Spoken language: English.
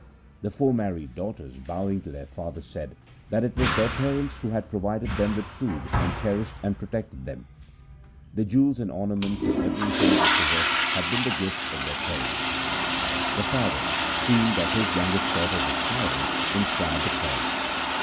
The four married daughters bowing to their father said, that it was their parents who had provided them with food and cherished and protected them. The jewels and ornaments and everything they possessed had been the gifts of their parents. The father, seeing that his youngest daughter was silent, inquired the cause.